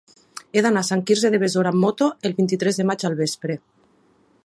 He d'anar a Sant Quirze de Besora amb moto el vint-i-tres de maig al vespre.